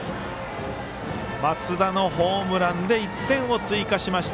松田のホームランで１点を追加しました。